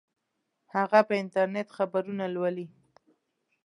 هغه په انټرنیټ خبرونه لولي